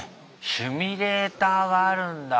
シミュレーターがあるんだ！